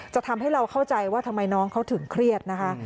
ทำให้เราเข้าใจว่าทำไมน้องเขาถึงเครียดนะคะ